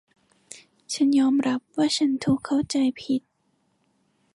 ฉันยอมรับว่าฉันถูกเข้าใจผิด